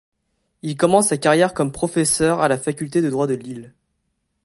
Il commence sa carrière comme professeur à la faculté de droit de Lille.